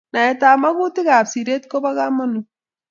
Naetab magutik ab siret ko bo kamanut